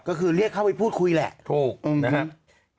ก็คือเรียกเข้าไปพูดคุยแหละถูกนะครับ